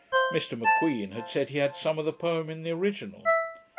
Mr M'Queen had said he had some of the poem in the original.